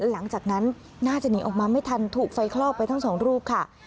หลังจากนั้นน่าจะหนีออกมาไม่ทันถูกไฟคลอกไปทั้งสองรูปค่ะ